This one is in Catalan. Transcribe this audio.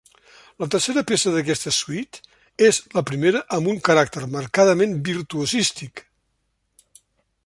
La tercera peça d’aquesta suite és la primera amb un caràcter marcadament virtuosístic.